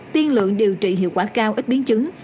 tiên lượng điều trị hiệu quả cao ít biến chứng